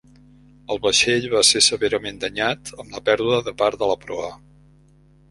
El vaixell va ser severament danyat, amb la pèrdua de part de la proa.